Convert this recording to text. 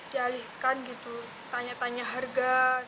dialihkan gitu tanya tanya harga